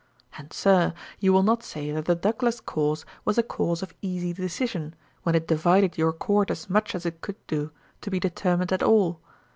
And Sir, you will not say that the Douglas cause was a cause of easy decision, when it divided your Court as much as it could do, to be determined at all.